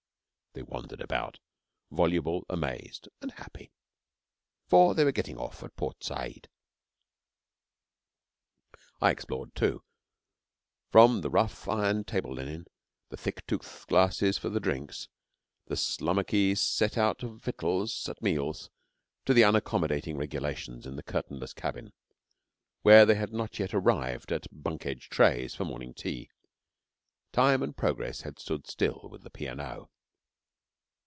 They wandered about voluble, amazed, and happy, for they were getting off at Port Said. I explored, too. From the rough ironed table linen, the thick tooth glasses for the drinks, the slummocky set out of victuals at meals, to the unaccommodating regulations in the curtainless cabin, where they had not yet arrived at bunk edge trays for morning tea, time and progress had stood still with the P. & O.